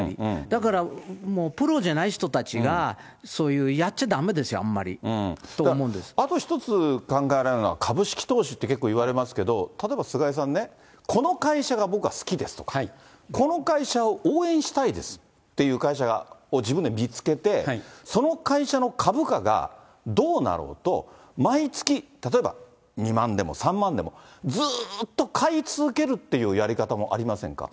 だからもうプロじゃない人たちがそういうやっちゃだめですよ、ああと一つ考えられるのが、株式投資って結構、いわれますけど、例えば菅井さんね、この会社が僕は好きですとか、この会社を応援したいですっていう会社を自分で見つけて、その会社の株価がどうなろうと毎月、例えば、２万でも３万でも、ずっと買い続けるっていうやり方もありませんか？